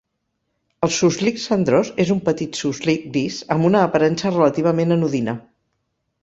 El suslic cendrós és un petit suslic gris, amb una aparença relativament anodina.